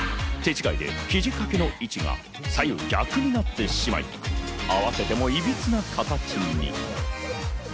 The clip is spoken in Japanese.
手違いで肘掛けの位置が左右逆になってしまい、合わせてもいびつな形に。